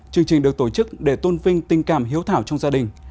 chương trình được tổ chức để tôn vinh tình cảm hiếu thảo trong gia đình